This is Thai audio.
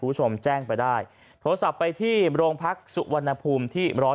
คุณผู้ชมแจ้งไปได้โทรศัพท์ไปที่โรงพักสุวรรณภูมิที่๑๐๑